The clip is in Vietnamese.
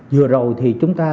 vừa rồi thì chúng ta